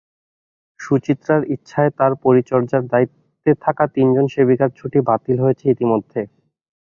সুচিত্রার ইচ্ছায় তাঁর পরিচর্যার দায়িত্বে থাকা তিনজন সেবিকার ছুটি বাতিল হয়েছে ইতিমধ্যে।